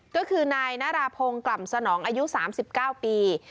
ก็คือนายนาราพงศ์กล่ำสนองอายุ๓๙ปี